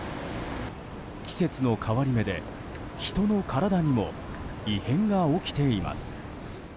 季節の変わり目で人の体にも異変が起きています。